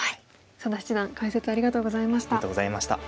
佐田七段解説ありがとうございました。